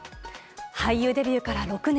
俳優デビューから６年。